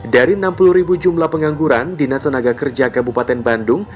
dari enam puluh ribu jumlah pengangguran dinas tenaga kerja kabupaten bandung